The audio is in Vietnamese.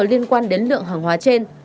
liên quan đến lượng hàng hóa trên